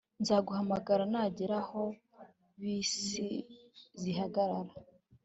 Nzaguhamagara nagera aho bisi zihagarara